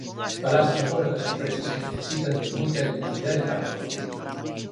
Falamos agora das empresas que necesitan de moita electricidade para producir.